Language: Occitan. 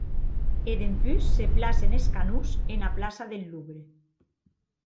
E dempús se placen es canons ena plaça deth Louvre.